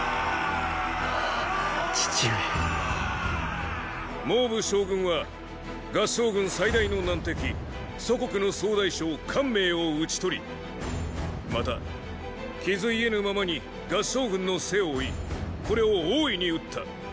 父上蒙武将軍は合従軍最大の難敵楚国の総大将汗明を討ち取りまた傷癒えぬままに合従軍の背を追いこれを大いに討った。